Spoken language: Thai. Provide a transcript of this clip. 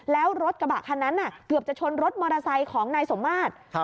แล้วรถกระบะคันนั้นเกือบจะชนรถมอเตอร์ไซค์ของนายสมมาตร